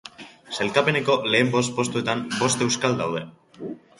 Sailkapeneko lehen bost postuetan, bost euskal daude.